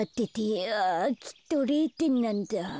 あぁきっと０てんなんだ。